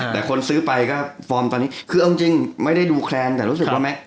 แต่คนซื้อไปก็ฟอร์มตอนนี้คือเอาจริงไม่ได้ดูแคลนแต่รู้สึกว่าแม่